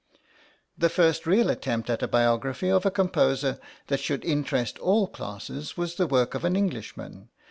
The first real attempt at a biography of a composer that should interest all classes was the work of an Englishman.